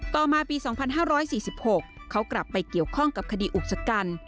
ต่อมาปี๒๕๔๖เขากลับไปเกี่ยวข้องกับคดีอุกชกัน